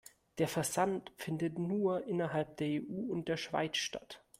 Der Versand findet nur innerhalb der EU und der Schweiz statt.